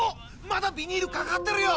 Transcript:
まだビニールかかってるよ！